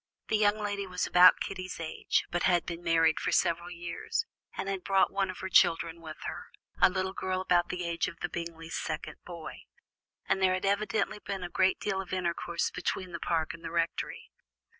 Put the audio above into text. This young lady was about Kitty's age, but had been married for several years, and had brought one of her children with her, a little girl about the age of the Bingleys' second boy, and there had evidently been a great deal of intercourse between the Park and the Rectory.